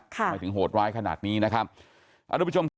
ไม่ถึงโหดว้ายขนาดนี้นะครับ